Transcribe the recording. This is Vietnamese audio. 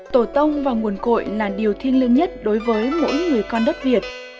tổ tông và nguồn cội là điều thiên lượng nhất đối với mỗi người con đất việt